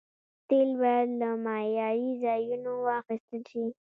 تیل باید له معياري ځایونو واخیستل شي.